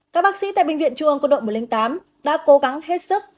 các bác sĩ tại bệnh viện trường quân đội một trăm linh tám đã cố gắng hết sức